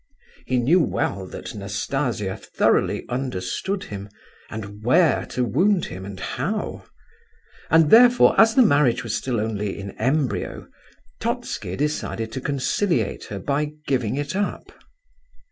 He knew well that Nastasia thoroughly understood him and where to wound him and how, and therefore, as the marriage was still only in embryo, Totski decided to conciliate her by giving it up.